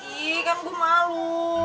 ih kan gue mau